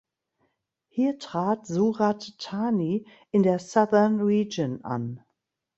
Hier trat Surat Thani in der Southern Region an.